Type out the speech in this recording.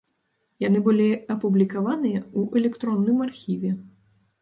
Яны былі апублікаваныя ў электронным архіве.